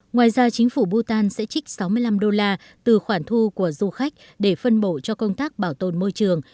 ngoài ra chính phủ bhutan sẽ trích sáu mươi năm đô la từ khoản thu của du khách để phân bổ cho công tác bảo tồn môi trường